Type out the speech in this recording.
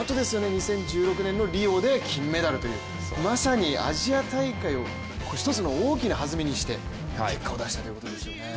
２０１６年のリオで金メダルというまさにアジア大会をこして大きな弾みにして結果を出したということですね。